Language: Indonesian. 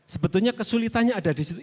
sebetulnya kesulitannya ada di situ